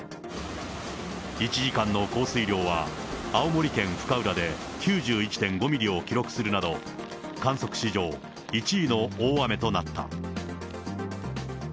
１時間の降水量は青森県深浦で９１．５ミリを記録するなど、観測史上１位の大雨となった。